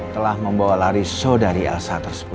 telah membawa lari saudari asa tersebut